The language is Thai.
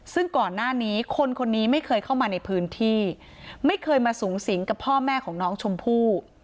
ซึ่งก่อนหน้านี้คนคนนี้ไม่เคยเข้ามาในพื้นที่ไม่เคยมาสูงสิงกับพ่อแม่ของน้องชมพู่